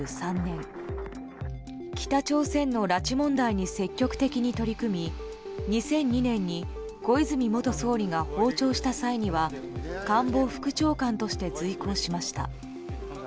北朝鮮の拉致問題に積極的に取り組み２００２年に小泉元総理が訪朝した際には官房副長官として随行しました。